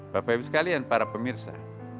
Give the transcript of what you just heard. bapak ibu sekalian para pemirsa